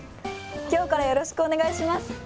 今日からよろしくお願いします。